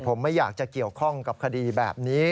ผมไม่อยากจะเกี่ยวข้องกับคดีแบบนี้